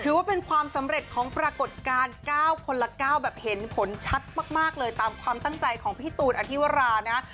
ถือว่าเป็นความสำเร็จของปรากฏการณ์๙คนละ๙แบบเห็นผลชัดมากเลยตามความตั้งใจของพี่ตูนอธิวรานะ